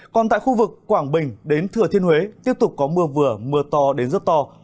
còn tại khu vực quảng bình đến thừa thiên huế tiếp tục có mưa vừa mưa to đến rất to